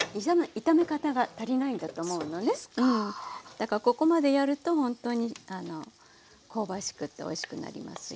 だからここまでやるとほんとに香ばしくておいしくなりますよ。